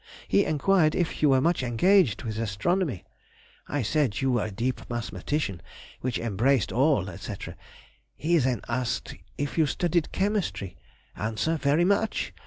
He enquired if you were much engaged with astronomy? I said you were a deep mathematician, which embraced all, &c., ... then he asked if you studied chemistry? answer, very much!